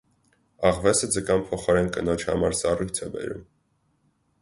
Աղվեսը ձկան փոխարեն կնոջ համար սառույց է բերում։